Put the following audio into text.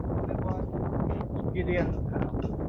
Turner was Gideon's lawyer in this second trial.